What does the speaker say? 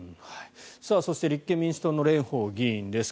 そして立憲民主党の蓮舫議員です。